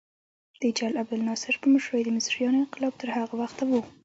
د جل عبدالناصر په مشرۍ د مصریانو انقلاب تر هغه وخته و.